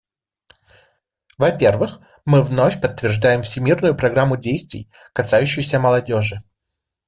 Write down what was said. Во-первых, мы вновь подтверждаем Всемирную программу действий, касающуюся молодежи.